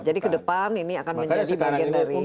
jadi ke depan ini akan menjadi bagian dari